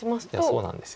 そうなんですよね。